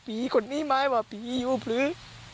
พี่ปี๊คนนี้มาให้บอกว่าปี๊อยู่พลื้อ